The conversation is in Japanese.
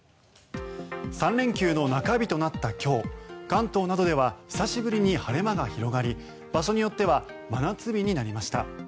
３連休の中日となった今日関東などでは久しぶりに晴れ間が広がり場所によっては真夏日になりました。